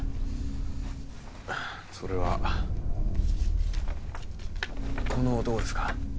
それはこの男ですか？